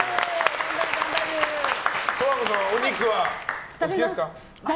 十和子さんはお肉はお好きですか。